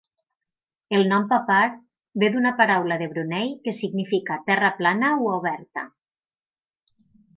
El nom "Papar" ve d'una paraula de Brunei que significa "terra plana o oberta".